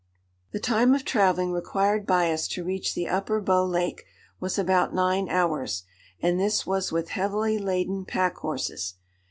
] The time of travelling required by us to reach the Upper Bow Lake was about nine hours, and this was with heavily laden pack horses.